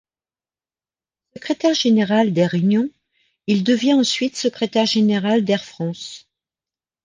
Secrétaire général d'Air Union, il devient ensuite secrétaire général d'Air France.